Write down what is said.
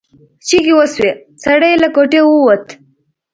چیغې وشوې سړی له کوټې ووت.